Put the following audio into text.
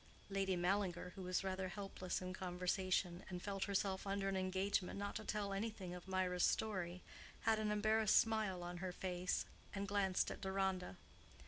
Lady Mallinger, who was rather helpless in conversation, and felt herself under an engagement not to tell anything of Mirah's story, had an embarrassed smile on her face, and glanced at Deronda.